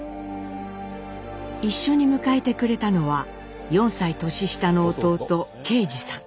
一緒に迎えてくれたのは４歳年下の弟啓二さん。